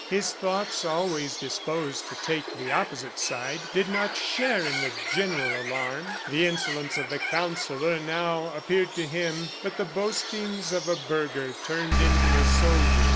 His thoughts, always disposed to take the opposite side, did not share in the general alarm. The insolence of the Counsellor now appeared to him but the boastings of a burgher turned into a soldier.